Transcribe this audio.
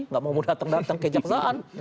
tidak mau datang datang ke jaksaan